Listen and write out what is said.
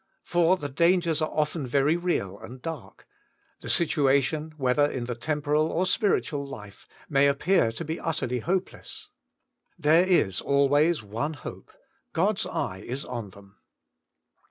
For the dangers are often very real and dark ; the situation, whether in the temporal or spiritual life, may appear to be utterly hopeless. There is always one hope ; God^s eye is on them.